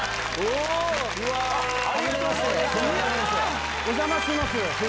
お邪魔します